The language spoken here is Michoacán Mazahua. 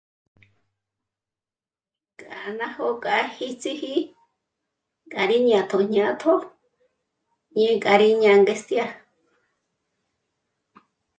K'ânájo k'á híts'iji k'ârí jñàtjo jñátjo í k'a rí ñángestia